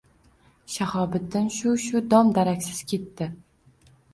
Shahobiddin shu-shu dom-daraksiz ketdi.